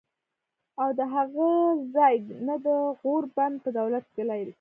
او د هغه ځائے نه د غور بند پۀ دولت کلي کښې